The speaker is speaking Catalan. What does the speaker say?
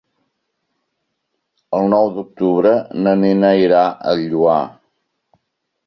El nou d'octubre na Nina irà al Lloar.